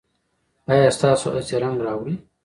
ایا ستاسو هڅې رنګ راوړي؟